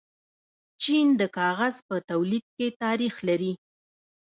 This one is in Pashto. چین د کاغذ په تولید کې تاریخ لري.